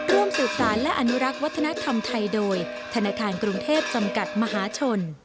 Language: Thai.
ร่วมสืบสารและอนุรักษ์วัฒนธรรมไทยโดยธนาคารกรุงเทพจำกัดมหาชน